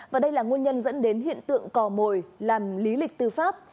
và đây là nguồn nhân dẫn đến hiện tượng cò mồi làm lý lịch tư pháp